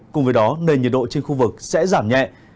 cùng với đó nền nhiệt độ trên khu vực sẽ giảm nhẹ